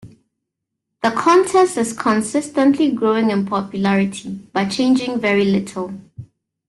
The contest is consistently growing in popularity, but changing very little.